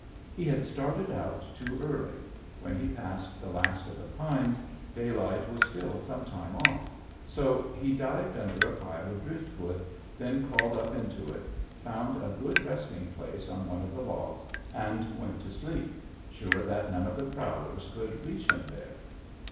He had started out too early; when he passed the last of the pines, daylight was still some time off, so he dived under a pile of driftwood, then crawled up into it, found a good resting place on one of the logs and went to sleep, sure that none of the prowlers could reach him there.